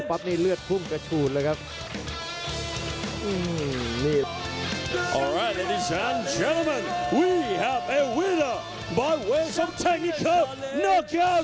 ปั๊บนี่เลือดพุ่งกระฉูดเลยครับ